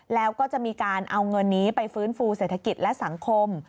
แล้วก็จะมีการเอาเงินนี้ไปฟื้นฟูเศรษฐกิจและสังคม